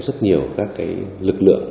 rất nhiều các lực lượng